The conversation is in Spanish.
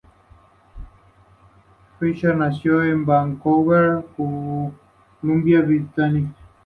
Fisher nació en Vancouver, Columbia Británica.